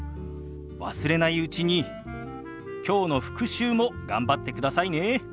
忘れないうちにきょうの復習も頑張ってくださいね。